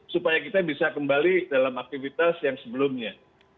supaya kita bisa kembali dalam aktivitas yang sebelumnya